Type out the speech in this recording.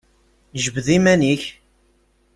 Jbed iman-ik!